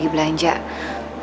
sampai ketemu besok